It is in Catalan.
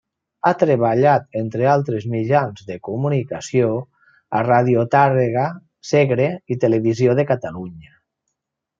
Ha treballat, entre altres mitjans de comunicació, a Ràdio Tàrrega, Segre i Televisió de Catalunya.